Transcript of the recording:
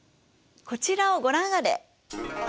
こちらをご覧あれ。